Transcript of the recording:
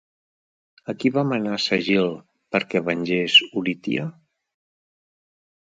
A qui va manar Sagil perquè vengés Oritia?